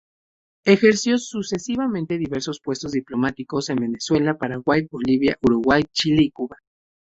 Ejerció sucesivamente diversos puestos diplomáticos en Venezuela, Paraguay, Bolivia, Uruguay, Chile y Cuba.